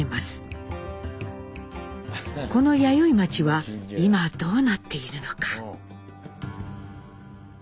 この弥生町は今どうなっているのか。